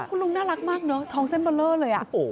คุณลุงน่ารักมากเนอะทองเส้นเบอร์เลอร์เลย